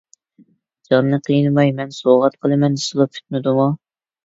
جاننى قىينىماي، مەن سوۋغات قىلىمەن دېسىلا پۈتمىدىمۇ؟!